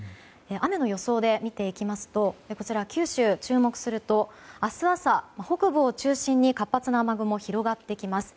雨の予想で見ていきますとこちら九州、注目すると明日朝北部を中心に活発な雨雲が広がってきます。